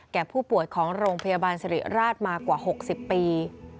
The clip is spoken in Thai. ผู้ป่วยของโรงพยาบาลสิริราชมากว่า๖๐ปี